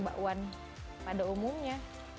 bakwan pada umumnya